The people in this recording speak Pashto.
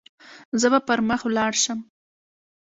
زه به پر مخ ولاړ شم.